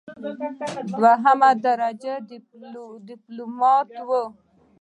دوهمه درجه ډیپلوماټ وم.